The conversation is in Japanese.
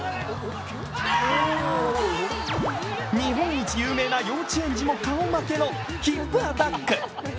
日本一有名な幼稚園児も顔負けなヒップアタック。